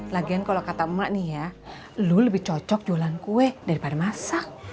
lagian kalau kata emak nih ya lu lebih cocok jualan kue daripada masak